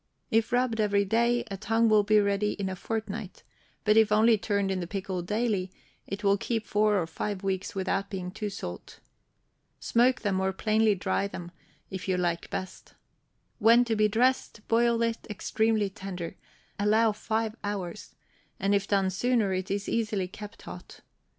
If rubbed every day, a tongue will be ready in a fortnight; but if only turned in the pickle daily, it will keep four or five weeks without being too salt. Smoke them or plainly dry them, if you like best. When to be dressed, boil it extremely tender; allow five hours, and if done sooner, it is easily kept hot.